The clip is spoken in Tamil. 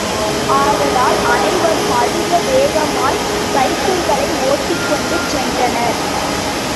ஆதலால் அனைவரும் அதிக வேகமாய் சைக்கிள்களை ஓட்டிக்கொண்டு சென்றனர்.